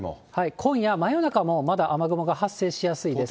今夜、真夜中もまだ雨雲が発生しやすいです。